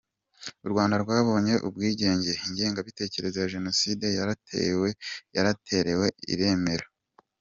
U Rwanda rwabonye ubwigenge, ingengabitekerezo ya Jenoside yaratewe, iramera.